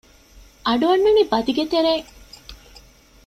އަޑުއަންނަނީ ބަދިގެ ތެރެއިން